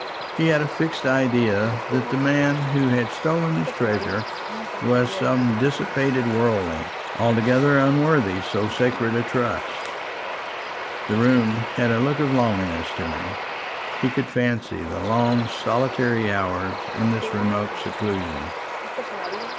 He had a fixed idea that the man who had stolen his treasure was some dissipated worldling, altogether unworthy so sacred a trust. The room had a look of loneliness to him. He could fancy the long solitary hours in this remote seclusion.